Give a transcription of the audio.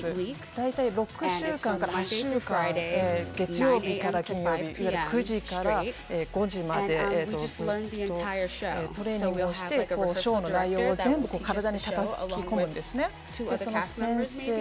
大体６週間から８週間月曜日から金曜日９時から５時までトレーニングをしてショーの内容を全部、吹き込むんです。